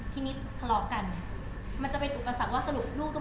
ที่นี่ทะเลาะกันมันจะเป็นอุปสรรคว่าสรุปลูกต้องไปอยู่กับใคร